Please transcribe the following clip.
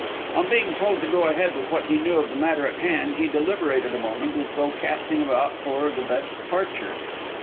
On being told to go ahead with what he knew of the matter in hand, he deliberated a moment, as though casting about for the best departure.